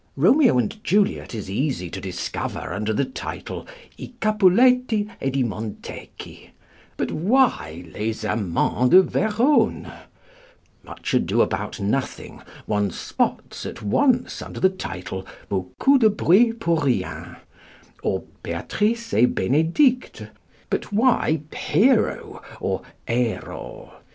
Romeo and Juliet is easy to discover under the title I Capuletti ed i Montecchi; but why Les Amants de Verone? Much Ado About Nothing one "spots" at once under the title Beaucoup de Bruit pour Rien, or Béatrice et Bénédict; but why Hero or Ero?